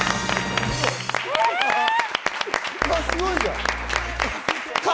すごいじゃん！